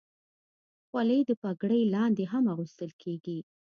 خولۍ د پګړۍ لاندې هم اغوستل کېږي.